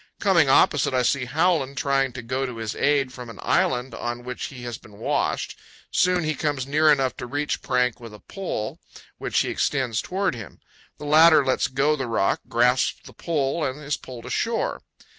Coming opposite, I see Howland trying to go to his aid from an island on which he has been washed. Soon he comes near enough to reach Frank with a pole, which he extends toward him. The latter lets go the rock, grasps the pole, and is pulled ashore.